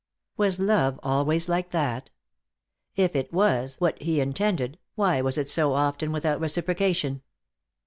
Was love always like that? If it was what He intended, why was it so often without reciprocation?